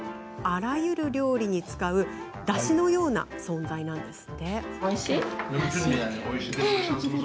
あらゆる料理に使うだしのような存在です。